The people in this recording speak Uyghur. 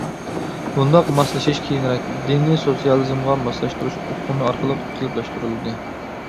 بۇنداق ماسلىشىش كېيىنرەك «دىننى سوتسىيالىزمغا ماسلاشتۇرۇش» ئۇقۇمى ئارقىلىق قېلىپلاشتۇرۇلدى.